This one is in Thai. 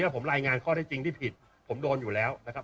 ผมรายงานข้อที่จริงที่ผิดผมโดนอยู่แล้วนะครับ